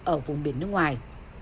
ở vùng biển nước ngoài